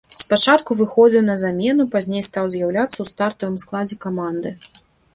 Спачатку выхадзіў на замену, пазней стаў з'яўляцца ў стартавым складзе каманды.